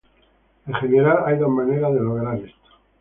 En general, hay dos maneras de lograr esto.